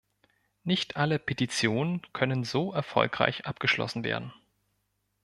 Nicht alle Petitionen können so erfolgreich abgeschlossen werden.